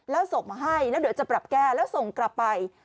แล้วส่งมาให้แล้วเดี๋ยวจะปรับแก้แล้วส่งกลับไป